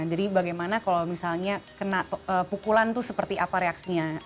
jadi bagaimana kalau misalnya kena pukulan tuh seperti apa reaksinya